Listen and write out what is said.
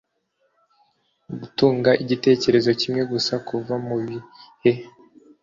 gutunga igitekerezo kimwe gusa kuva mubihe